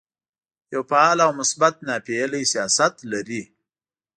یو فعال او مثبت ناپېیلی سیاست لري.